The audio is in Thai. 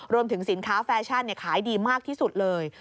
รวมถึงสินค้าแฟชั่นขายดีมากที่สุดเลย